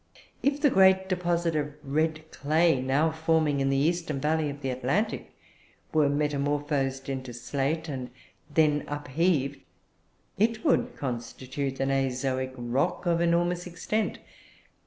If the great deposit of "red clay" now forming in the eastern valley of the Atlantic were metamorphosed into slate and then upheaved, it would constitute an "azoic" rock of enormous extent.